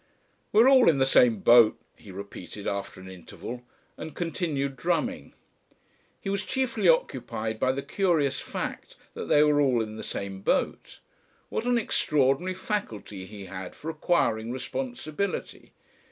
"We're all in the same boat," he repeated after an interval, and continued drumming. He was chiefly occupied by the curious fact that they were all in the same boat. What an extraordinary faculty he had for acquiring responsibility!